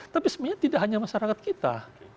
tapi sebenarnya tidak hanya masyarakat kita